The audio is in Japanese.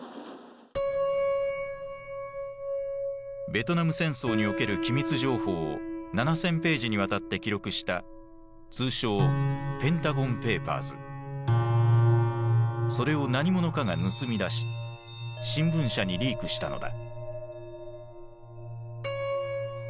ベトナム戦争における機密情報を７，０００ページにわたって記録した通称それを何者かが盗み出し新聞社にリークしたのだ。